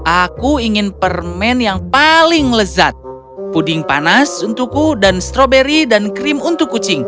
aku ingin permen yang paling lezat puding panas untukku dan stroberi dan krim untuk kucing